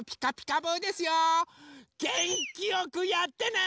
げんきよくやってね！